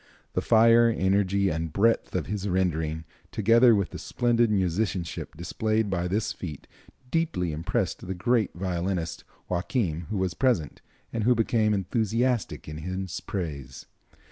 The fire, energy and breadth of his rendering, together with the splendid musicianship displayed by this feat, deeply impressed the great violinist Joachim, who was present, and who became enthusiastic in his praise.